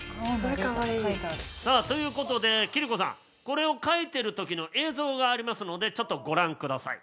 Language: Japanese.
さあという事で貴理子さんこれを描いている時の映像がありますのでちょっとご覧ください。